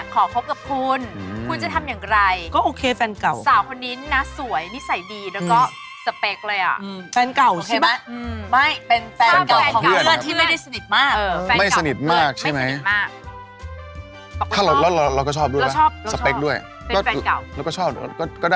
กลัวจะปวดเลี้ยนมาเข้าหลายภาษา